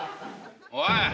おい！